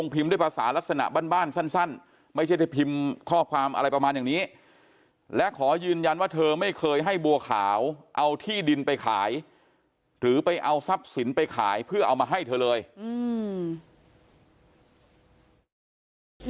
พิมพ์ด้วยภาษาลักษณะบ้านบ้านสั้นสั้นไม่ใช่ได้พิมพ์ข้อความอะไรประมาณอย่างนี้และขอยืนยันว่าเธอไม่เคยให้บัวขาวเอาที่ดินไปขายหรือไปเอาทรัพย์สินไปขายเพื่อเอามาให้เธอเลยอืม